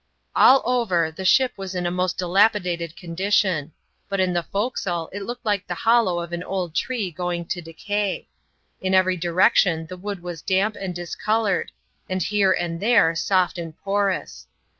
All over, the ship was in a most dilapidated condition ; but in the forecastle it looked like the hollow of an old tree going to decay. In every direction the wood was damp and discoloured, and here and there soft and porous.